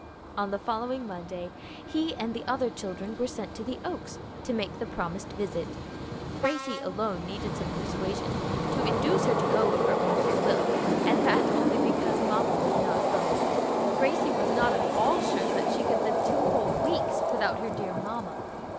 On the following Monday he and the other children were sent to the Oaks to make the promised visit. Gracie alone needed some persuasion to induce her to go of her own free will, and that only because mamma was not going. Gracie was not at all sure that she could live two whole weeks without her dear mamma.